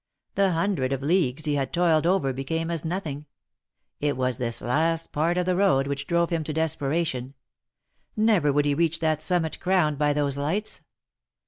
The hundred of leagues he had toiled over became as nothing — it was this last part of the road which drove him to desperation ; never would he reach that summit crowned by those lights.